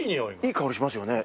いい香りしますよね。